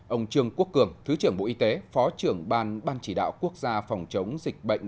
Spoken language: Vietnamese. ông trương quốc cường thứ trưởng bộ y tế phó trưởng ban ban chỉ đạo quốc gia phòng chống dịch bệnh